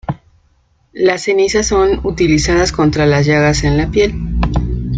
Las cenizas son utilizadas contra las llagas en la piel.